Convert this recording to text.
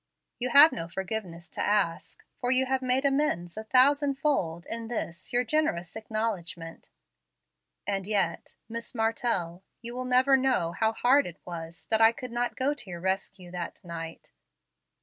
You have no forgiveness to ask, for you have made amends a thousand fold in this your generous acknowledgment. And yet, Miss Martell, you will never know how hard it was that I could not go to your rescue that night.